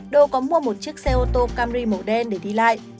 đô có mua một chiếc xe ô tô camry màu đen để đi lại